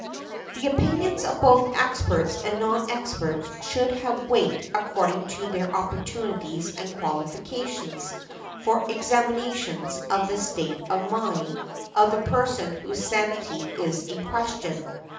The opinions of both experts and non experts should have weight according to their opportunities and qualifications for examination of the state of mind of the person whose sanity is in question.